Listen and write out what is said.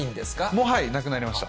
もうなくなりました。